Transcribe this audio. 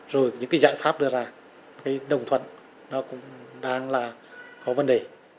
rồi những cái giải pháp đưa ra cái đồng thuận nó cũng đang là có vấn đề